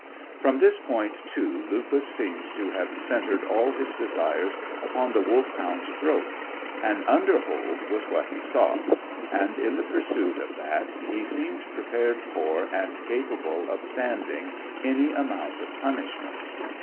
From this point, too, Lupus seemed to have centred all his desires upon the Wolfhound's throat; an underhold was what he sought, and in the pursuit of that he seemed prepared for, and capable of standing, any amount of punishment.